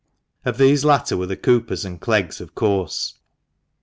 Of these latter were the Coopers and Cleggs, of course.